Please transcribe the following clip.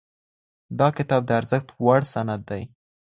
دا کتاب د ارزښت وړ سند دی.